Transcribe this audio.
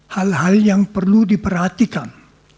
hal hal yang perlu diperhatikan